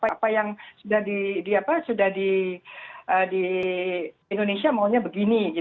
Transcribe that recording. apa apa yang sudah di indonesia maunya begini